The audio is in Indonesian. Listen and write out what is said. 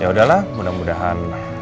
ya udahlah mudah mudahan